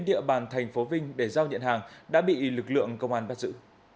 địa bàn thành phố vinh để giao nhận hàng đã bị lực lượng công an bắt giữ